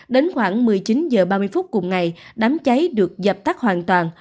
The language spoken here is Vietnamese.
đến khoảng một mươi chín h ba mươi phút cùng ngày đám cháy được dập tắt hoàn toàn